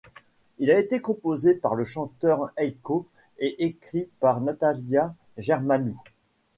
Il a été composé par le chanteur Hayko et écrit par Natalia Germanou .